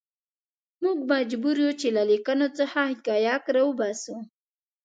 موږ مجبور یو چې له لیکنو څخه حقایق راوباسو.